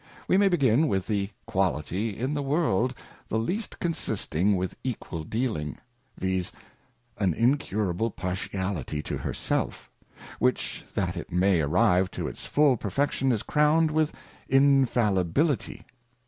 We may begin with the Quality in the World the least consisting with equal dealing, viz. An incurable Partiality to herself; which, that it may arrive to its full perfection, is crowned with Infallibility.